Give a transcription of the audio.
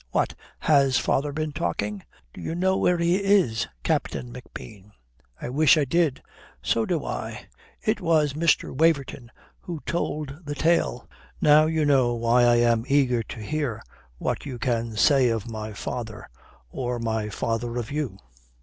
"What, has father been talking?" "D'ye know where he is, Captain McBean?" "I wish I did." "So do I. It was Mr. Waverton who told the tale. Now you know why I am eager to hear what you can say of my father or my father of you."